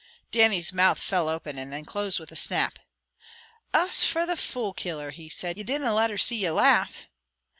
Dannie's mouth fell open, and then closed with a snap. "Us fra the fool killer!" he said. "Ye dinna let her see ye laugh?"